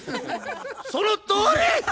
そのとおり！